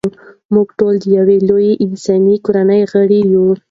موږ ټول د یوې لویې انساني کورنۍ غړي یو.